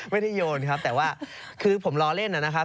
ไม่ได้โยนครับแต่ว่าคือผมล้อเล่นน่ะนะครับ